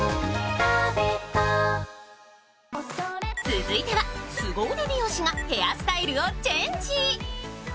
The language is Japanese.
続いては、スゴ腕美容師がヘアスタイルをチェンジ。